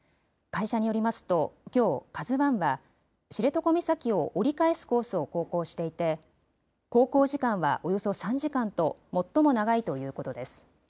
会社によりますと、きょう、ＫＡＺＵわんは、知床岬を折り返すコースを航行していて、航行時間はおよそ３時間と、最も長いということです。